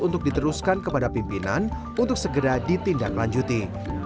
untuk diteruskan kepada pimpinan untuk segera ditindak lanjuti